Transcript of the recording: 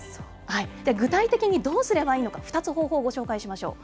具体的にどうすればいいのか、２つ方法、ご紹介しましょう。